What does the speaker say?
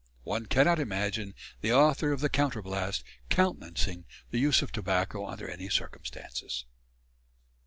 One cannot imagine the author of the "Counterblaste" countenancing the use of tobacco under any circumstances.